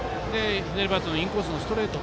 左バッターのインコースのストレート